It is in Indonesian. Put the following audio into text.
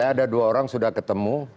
ada dua orang sudah ketemu